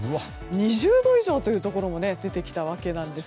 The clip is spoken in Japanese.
２０度以上というところも出てきたわけなんです。